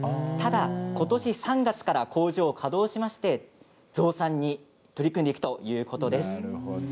ただ、ことし３月から工場を稼働しまして増産に取り組んでいくということです。